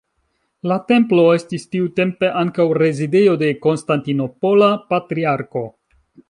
La templo estis tiutempe ankaŭ rezidejo de konstantinopola patriarko.